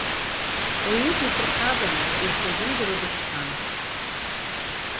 Уаҩы диԥырхагамызт, ихы изымдыруа дышьҭан…